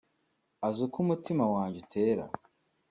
azi uko umutima wanjye utera